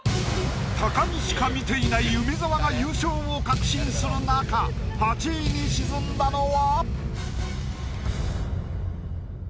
高みしか見ていない梅沢が優勝を確信する中８位に沈んだのは？